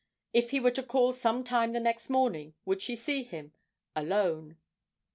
If he were to call some time the next morning, would she see him alone?